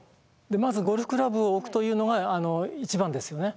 まずゴルフクラブを置くというのが一番ですよね。